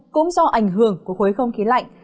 cũng do ảnh hưởng của khối không khí lạnh